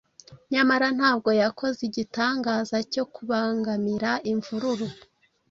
nyamara ntabwo yakoze igitangaza cyo kubangamira imvururu